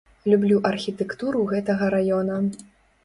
Люблю архітэктуру гэтага раёна.